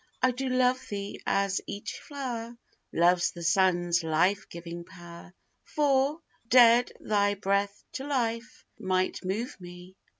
I do love thee as each flower Loves the sun's life giving power; For, dead, thy breath to life might move me.